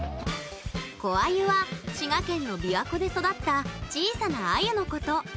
湖鮎は滋賀県のびわ湖で育った小さな鮎のこと。